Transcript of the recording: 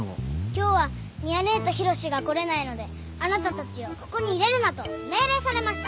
今日は美和ネェと浩志が来れないのであなたたちをここに入れるなと命令されました。